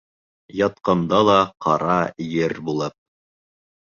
Ятҡанда ла ҡара ер булып.